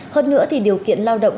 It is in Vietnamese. hơn nữa thì điều kiện lao động